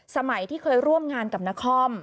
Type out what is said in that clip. สมัยที่เคยร่วมงานกับนคร